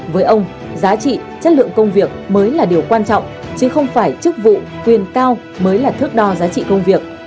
với ông giá trị chất lượng công việc mới là điều quan trọng chứ không phải chức vụ quyền cao mới là thước đo giá trị công việc